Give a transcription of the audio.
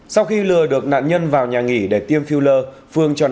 sau khi lừa được nạn nhân vào nhà nghỉ để tiêm phiêu lơ